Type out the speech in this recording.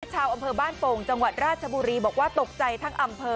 ชาวอำเภอบ้านโป่งจังหวัดราชบุรีบอกว่าตกใจทั้งอำเภอ